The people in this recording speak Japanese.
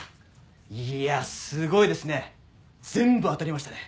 いやすごいですね全部当たりましたね。